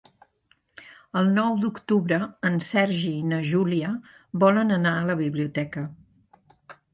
El nou d'octubre en Sergi i na Júlia volen anar a la biblioteca.